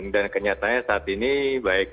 dan kenyataannya saat ini baik